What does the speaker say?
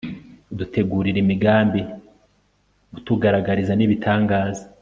udutegurira imigambi, utugaragariza n'ibitangaza